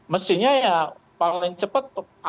mesinnya ya paling cepat akhir mei ya